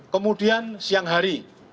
kemudian siang hari